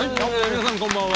皆さん、こんばんは。